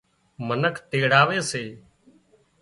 منک تيڙاوي سي